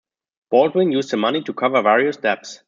Baldwin used the money to cover various debts.